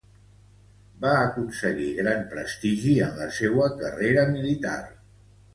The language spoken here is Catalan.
Va aconseguir gran prestigi en la seua carrera militar.